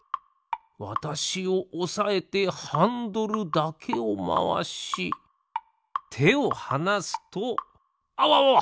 わたしをおさえてハンドルだけをまわしてをはなすとあわわわ！